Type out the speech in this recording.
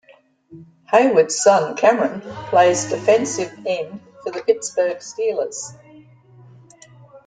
Heyward's son Cameron plays defensive end for the Pittsburgh Steelers.